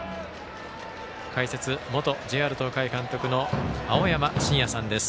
解説、元ＪＲ東海監督の青山眞也さんです。